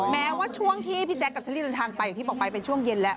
แม้ว่าช่วงที่พี่แจ๊คกับเชอรี่เดินทางไปอย่างที่บอกไปเป็นช่วงเย็นแล้ว